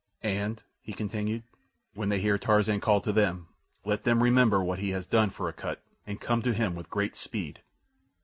"And," he continued, "when they hear Tarzan call to them, let them remember what he has done for Akut and come to him with great speed.